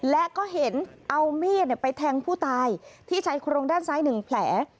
และก็เห็นเอาเมียนไปแทงผู้ตายที่ใช้โครงด้านซ้ายหนึ่งแผล